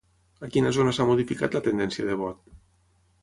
A quina zona s'ha modificat la tendència de vot?